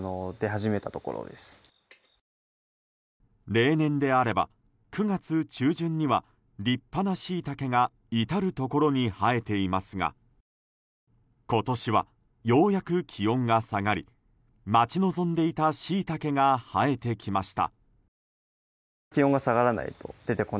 例年であれば、９月中旬には立派なシイタケが至るところに生えていますが今年は、ようやく気温が下がり待ち望んでいたシイタケが生えてきました。